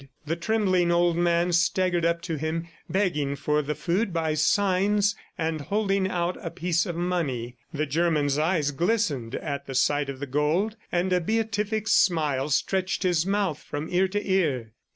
The trembling old man staggered up to him, begging for the food by signs and holding out a piece of money. The German's eyes glistened at the sight of the gold, and a beatific smile stretched his mouth from ear to ear.